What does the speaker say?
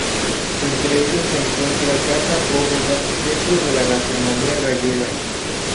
Entre ellos se encuentra Casa Bóveda, templo de la gastronomía gallega.